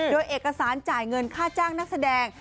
โดยเอกสารจ่ายเงินค่าจ้างนักแสดง